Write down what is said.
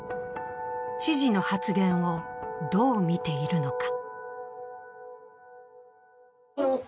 知事の発言をどう見ているのか。